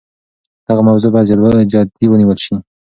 دغه موضوع باید جدي ونیول سي.